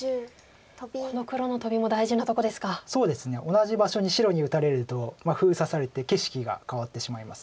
同じ場所に白に打たれると封鎖されて景色が変わってしまいます。